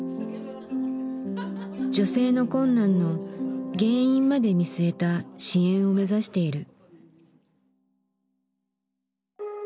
女性の困難の原因まで見据えた支援を目指している。